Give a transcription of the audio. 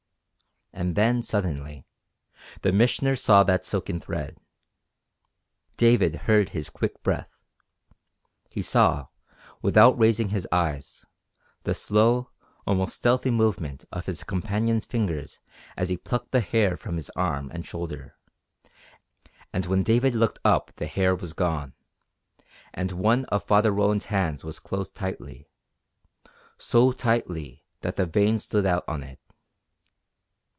And then suddenly, the Missioner saw that silken thread. David heard his quick breath. He saw, without raising his eyes, the slow, almost stealthy movement of his companion's fingers as he plucked the hair from his arm and shoulder, and when David looked up the hair was gone, and one of Father Roland's hands was closed tightly, so tightly that the veins stood out on it.